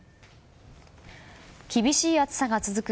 厳しい暑さが続く